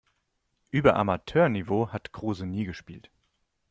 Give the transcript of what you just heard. Über Amateurniveau hat Kruse nie gespielt.